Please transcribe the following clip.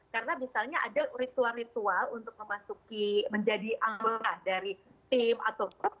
karena misalnya ada ritual ritual untuk memasuki menjadi amarah dari tim atau grup